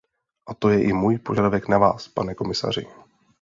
A to je i můj požadavek na vás, pane komisaři.